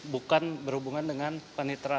bukan berhubungan dengan penitra